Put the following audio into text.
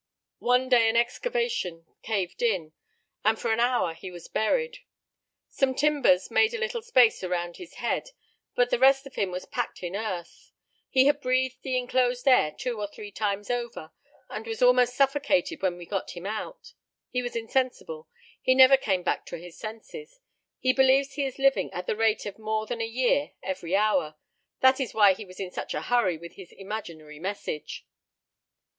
"One day an excavation caved in, and for an hour he was buried. Some timbers made a little space around his head, but the rest of him was packed in earth. He had breathed the inclosed air two or three times over, and was almost suffocated when we got him out. He was insensible. He never came back to his senses. He believes he is living at the rate of more than a year every hour. This is why he was in such a hurry with his imaginary message."